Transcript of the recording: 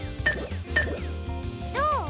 どう？